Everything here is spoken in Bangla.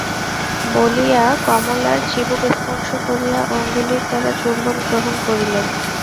বলিয়া কমলার চিবুক স্পর্শ করিয়া অঙ্গুলির দ্বারা চুম্বন গ্রহণ করিলেন।